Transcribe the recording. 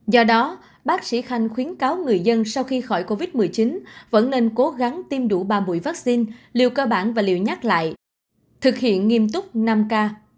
do đó bác sĩ khanh khuyến cáo người dân sau khi khỏi covid một mươi chín vẫn nên cố gắng tiêm đủ ba mũi vaccine liệu cơ bản và liệu nhắc lại thực hiện nghiêm túc năm k